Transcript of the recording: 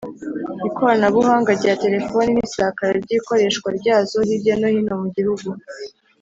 ikoranabuhanga rya terefoni n’isakara ry’ikoreshwa ryazo hirya no hino mu gihugu